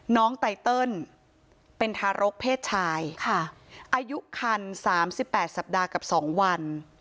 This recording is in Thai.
น้องไตเติ้ลเป็นทารกเพศชายค่ะอายุคันสามสิบแปดสัปดาห์กับสองวัน